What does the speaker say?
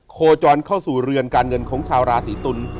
โคจรเข้าสู่เรือนการเงินของชาวราศีตุล